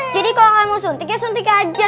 jadi kalau kamu suntik ya suntik aja